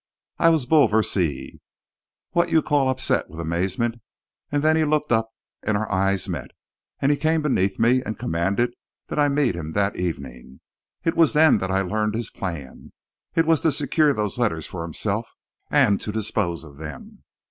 I was bouleversée what you call upset with amazement, and then he looked up and our eyes met, and he came beneath me and commanded that I meet him that evening. It was then that I learned his plan. It was to secure those letters for himself and to dispose of them."